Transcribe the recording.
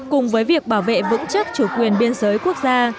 cùng với việc bảo vệ vững chắc chủ quyền biên giới quốc gia